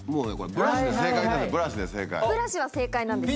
ブラシは正解なんです